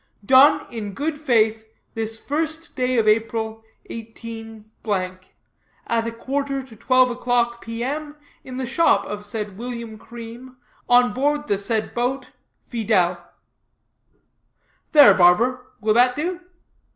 "Done, in good faith, this 1st day of April 18 , at a quarter to twelve o'clock, P. M., in the shop of said William Cream, on board the said boat, Fidèle." "There, barber; will that do?"